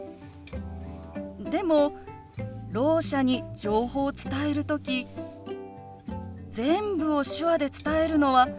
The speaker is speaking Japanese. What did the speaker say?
でもろう者に情報を伝える時全部を手話で伝えるのは難しいと思うの。